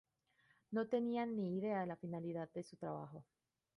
No tenían ni idea de la finalidad de su trabajo.